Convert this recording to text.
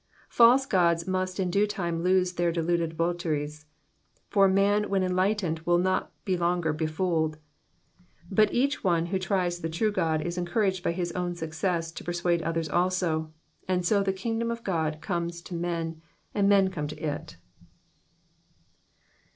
False gods must in due time lose their deluded votaries, for man when enlightened will not be longer befooled ; but each one who tries the true God is encouraged by his own success to persuade others also, and so the kingdom of God comes to men, and men come to it.